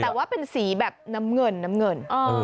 แต่ว่าเป็นสีแบบน้ำเงิน